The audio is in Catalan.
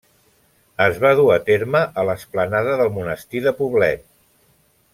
Es va dur a terme a l'esplanada del Monestir de Poblet.